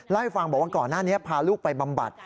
เล่าให้ฟังบอกว่าก่อนหน้านี้พาลูกไปบำบัด